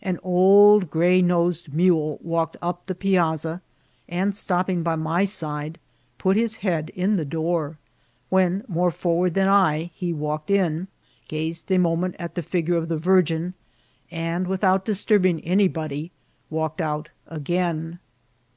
An old gray nosed mule walked up the piazza, and, stopping by my side, put his head in the door, when, more forward than I, he walked in, gazed a moment at the figure of the Virgin, and, without dis turbing anybody, walked out again.